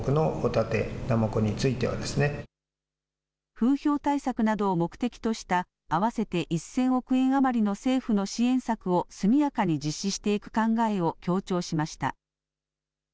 風評対策などを目的とした合わせて１０００億円余りの政府の支援策を速やかに実施していく考えを強調しました。